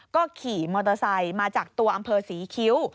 ก็ขี่มอเตอร์ไซค์มาจากตัวอำเภอศรีคิ้ว